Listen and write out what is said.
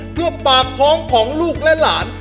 เพื่อปากท้องของลูกและหลาน